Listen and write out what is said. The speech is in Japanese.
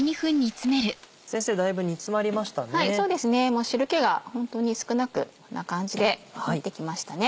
もう汁気がホントに少なくこんな感じでなってきましたね。